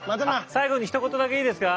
最後にひと言だけいいですか？